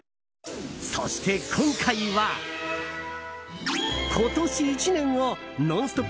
そして今回は今年１年を「ノンストップ！」